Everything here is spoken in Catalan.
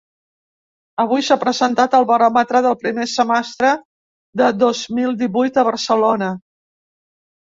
Avui s’ha presentat el baròmetre del primer semestre de dos mil divuit a Barcelona.